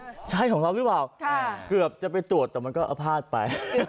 เฮ้ยใช่ของเรานี่ฟาวค่ะเกือบจะไปตรวจแต่มันก็เอาพลาดไป